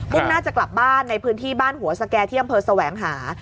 พวกนั้นจะกลับบ้านในพื้นที่บ้านหัวสแก้เที่ยมเผอร์แสวงหา